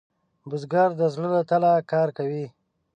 بزګر د زړۀ له تله کار کوي